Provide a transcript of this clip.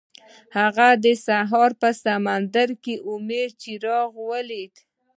هغه د سهار په سمندر کې د امید څراغ ولید.